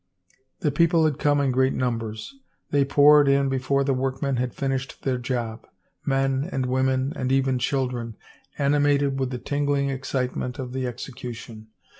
The people had come in great numbers. They poured in before the workmen had finished their job, men and women and even children, animated with the tingling excitement of the execution.